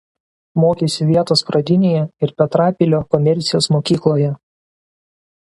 Mokėsi vietos pradinėje ir Petrapilio komercijos mokykloje.